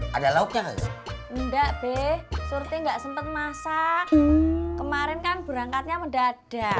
hai ada lokal menda be suruh enggak sempet masak kemarin kan berangkatnya mendadak